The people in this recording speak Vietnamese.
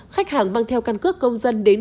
khách hàng mang theo căn cứ công dân đến